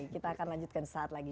kita akan lanjutkan saat lagi